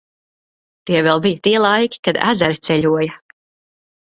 Tie vēl bija tie laiki, kad ezeri ceļoja.